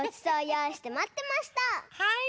はい。